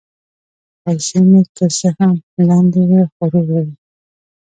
پیسې مې که څه هم لندې وې، خو روغې وې.